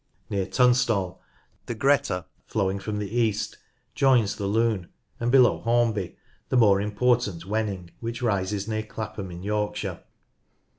Near Tunstall the Greeta, flowing from the east, joins the Lune, and below Hornby the more important Wenning, which rises near Clapham in Yorkshire.